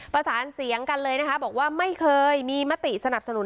ประสานเสียงกันเลยนะคะบอกว่าไม่เคยมีมติสนับสนุน